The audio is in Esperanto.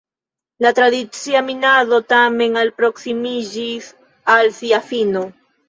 La tradicia minado tamen alproksimiĝis al sia fino.